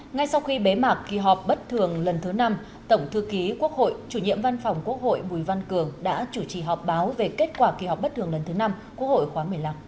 ngay sau khi bế mạc kỳ họp bất thường lần thứ năm tổng thư ký quốc hội chủ nhiệm văn phòng quốc hội bùi văn cường đã chủ trì họp báo về kết quả kỳ họp bất thường lần thứ năm quốc hội khóa một mươi năm